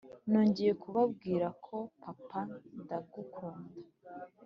nongeye kubabwira ko papa, ndagukunda.